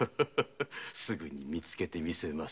すぐにみつけて見せます。